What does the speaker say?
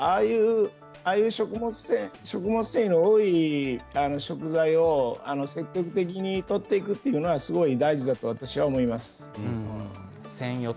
ああいう食物繊維の多い食材を積極的にとっていくというのはすごく大事だと私は思います。